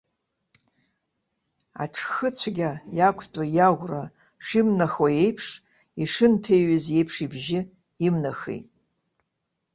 Аҽхыцәгьа иақәтәоу иаӷәра шимнахуеиԥш, ишынҭыҩыз еиԥш ибжьы имнахит.